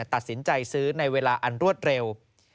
ตัดสินใจซื้อในเวลาอันรวดเร็ว